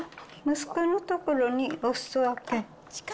息子のところにおすそ分け。